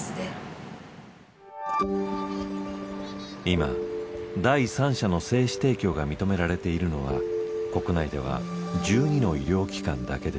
今第三者の精子提供が認められているのは国内では１２の医療機関だけです。